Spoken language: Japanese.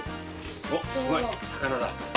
おっすごい魚だ。